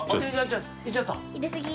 入れすぎ。